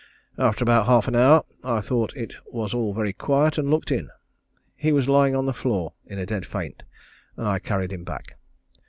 After about half an hour, I thought it was all very quiet, and looked in. He was lying on the floor in a dead faint, and I carried him back.